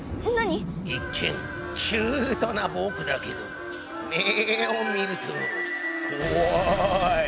一見キュートなぼくだけど目を見るとこわい！